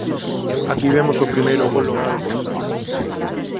Aquí vemos o primeiro gol logrado por Santi: